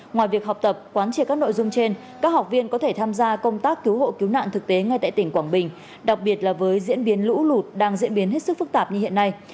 ngoài việc học tập quán triệt các nội dung trên các học viên có thể tham gia công tác cứu hộ cứu nạn thực tế ngay tại tỉnh quảng bình đặc biệt là với diễn biến lũ lụt đang diễn biến hết sức phức tạp như hiện nay